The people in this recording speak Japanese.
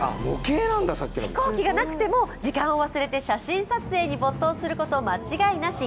飛行機がなくても時間を忘れて写真撮影に没頭すること間違いなし。